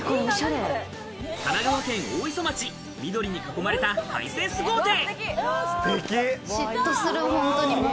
神奈川県大磯町、緑に囲まれたハイセンス豪邸。